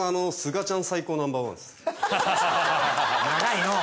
長いのう。